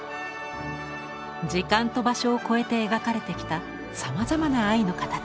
時間と場所を超えて描かれてきたさまざまな愛の形。